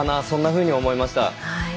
そんなふうに思いました。